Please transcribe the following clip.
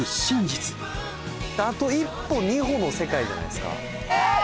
あと１歩２歩の世界じゃないですかえ！